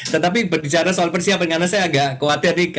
tetapi berbicara soal persiapan karena saya agak khawatir nih